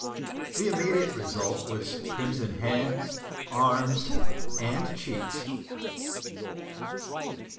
The immediate result was crimson hands, arms, and cheeks.